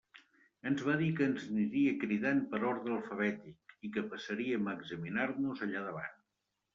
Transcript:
Ens va dir que ens aniria cridant per ordre alfabètic, i que passaríem a examinar-nos allà davant.